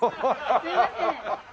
すいません。